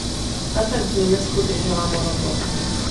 Ta tak v Německu držela monopol.